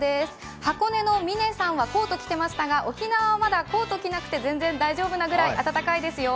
箱根の嶺さんはコート来てましたが、沖縄はまだコートを着なくても大丈夫なくらい暖かいですよ。